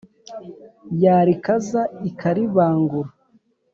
yarikaza ikaribangura